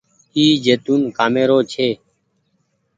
اي زيتونٚ ڪآمي رو ڇي۔